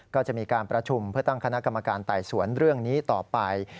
ก็จะมีการประชุมเพื่อตั้งคณะกรรมการไต่สวนเรื่องนี้ต่อไป